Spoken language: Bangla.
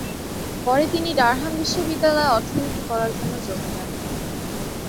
পরে তিনি ডারহাম বিশ্ববিদ্যালয়ে অর্থনীতি পড়ার জন্য যোগ দেন।